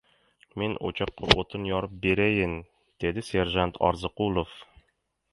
Men o‘choqqa o‘tin yorib berayin, — dedi serjant Orziqulov.